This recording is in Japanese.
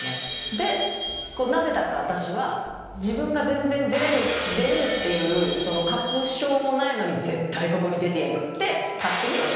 でなぜだか私は自分が全然出れるっていう確証もないのに絶対ここに出てやるって勝手に思ってた。